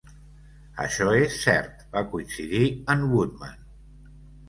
"Això és cert", va coincidir en Woodman.